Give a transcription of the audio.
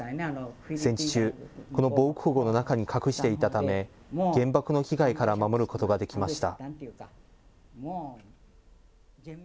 戦時中、この防空ごうの中に隠していたため、原爆の被害から守ることができました。